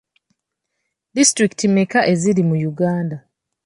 Disitulikiti mmeka eziri mu Uganda?